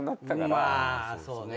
まあそうね。